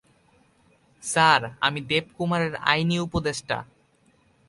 Sir, আমি দেবকুমারের আইনি উপদেষ্টা।